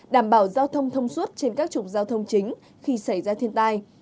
đảm bảo giao thông thông suốt trên các trục giao thông chính khi xảy ra thiên tai